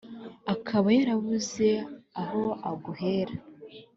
akaba yarabuze aho aguhera